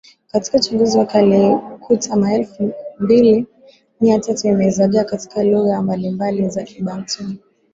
Katika uchunguzi wake alikuta maelfu mbili Mia tatu imezagaa katika lugha mbalimbali za Kibantu